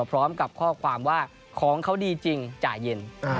พร้อมกับข้อความว่าของเขาดีจริงจ่ายเย็น